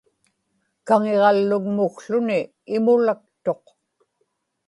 kaŋiġallugmukłuni imulaktuq